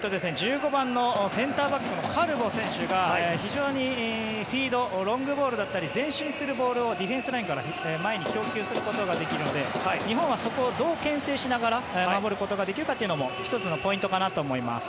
１５番のセンターバックのカルボ選手が非常にフィードロングボールだったり前進するボールをディフェンスラインから前に供給することができるので日本はそこをどうけん制しながら守ることができるかということも１つのポイントかなと思います。